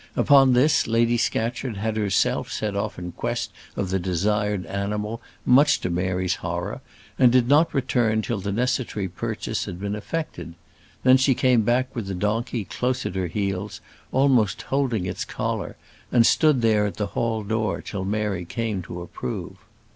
Upon this, Lady Scatcherd had herself set off in quest of the desired animal, much to Mary's horror; and did not return till the necessary purchase had been effected. Then she came back with the donkey close at her heels, almost holding its collar, and stood there at the hall door till Mary came to approve.